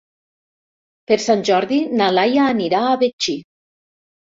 Per Sant Jordi na Laia anirà a Betxí.